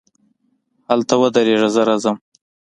هلته ودرېږه، زه راځم.